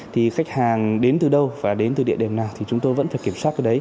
thì khách hàng đến từ đâu và đến từ địa điểm nào thì chúng tôi vẫn phải kiểm soát